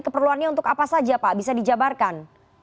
keperluannya untuk apa saja pak bisa dijabarkan